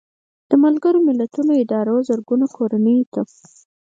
د ملګرو ملتونو ادارو زرګونو کورنیو ته